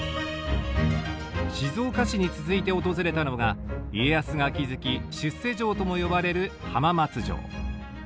静岡市に続いて訪れたのが家康が築き出世城とも呼ばれる浜松城。